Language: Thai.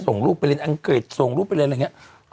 ส่งลูกไปเรียนอังกฤษส่งลูกไปเรียนอะไรอย่างนี้